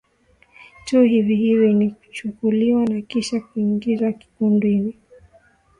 tu hivi hivi na kuchukuliwa na kisha kuingizwa kundini